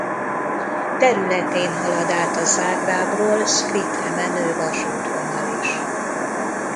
Területén halad át a Zágrábról Splitre menő vasútvonal is.